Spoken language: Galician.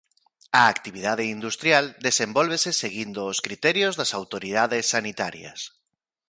A actividade industrial desenvólvese seguindo os criterios das autoridades sanitarias.